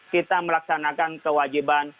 kita melaksanakan kewajiban